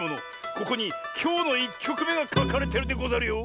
ここにきょうの１きょくめがかかれてるでござるよ。